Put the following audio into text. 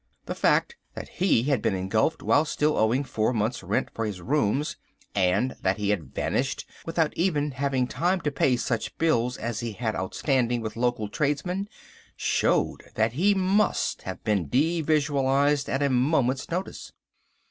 The fact that he had been engulfed while still owing four months' rent for his rooms, and that he had vanished without even having time to pay such bills as he had outstanding with local tradesmen, showed that he must have been devisualised at a moment's notice.